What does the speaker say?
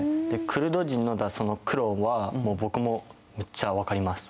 クルド人のその苦労は僕もめっちゃ分かります。